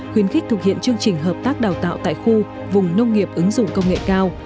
khuyến khích thực hiện chương trình hợp tác đào tạo tại khu vùng nông nghiệp ứng dụng công nghệ cao